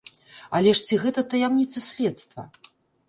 Але ж ці гэта таямніца следства?